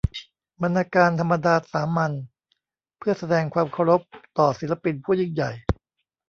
บรรณาการธรรมดาสามัญเพื่อแสดงความเคารพต่อศิลปินผู้ยิ่งใหญ่